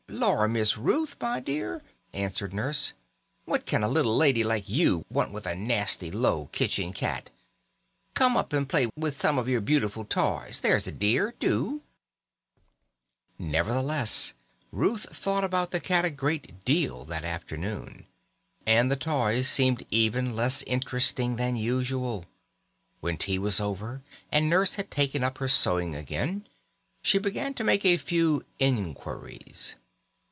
"Lor', Miss Ruth, my dear," answered Nurse, "what can a little lady like you want with a nasty, low, kitchen cat! Come up and play with some of your beautiful toys, there's a dear! Do." Nevertheless Ruth thought about the cat a great deal that afternoon, and the toys seemed even less interesting than usual. When tea was over, and Nurse had taken up her sewing again, she began to make a few inquiries.